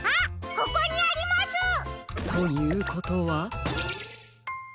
ここにあります！ということは？